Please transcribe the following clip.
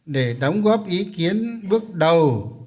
để đóng góp ý kiến bước đầu